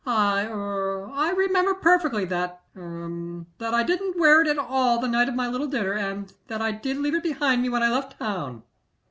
I er I remember perfectly that er that I didn't wear it at all the night of my little dinner, and that I did leave it behind me when I left town.'"